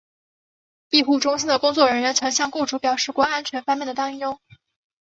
庇护中心的工作人员曾向雇主表示过安全方面的担忧。